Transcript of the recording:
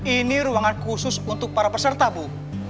ini ruangan khusus untuk para peserta bu